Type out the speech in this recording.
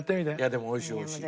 でもおいしいおいしい。